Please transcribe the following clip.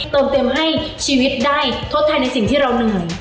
เติมเต็มให้ชีวิตได้ทดแทนในสิ่งที่เราเหนื่อย